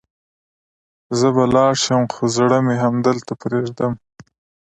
زه به لاړ شم، خو زړه مې همدلته پرېږدم.